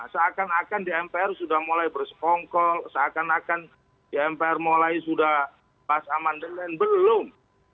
seakan akan di mpr sudah mulai bersekongkol seakan akan di mpr mulai sudah pas amandemen belum